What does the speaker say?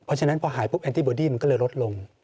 เพราะฉะนั้นพอหายปุ๊แนนตี้บอดี้มันก็เลยลดลง